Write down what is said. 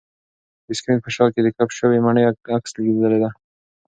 د سکرین په شاه کې د کپ شوې مڼې عکس ځلېده.